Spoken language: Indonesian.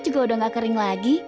juga sudah tidak kering lagi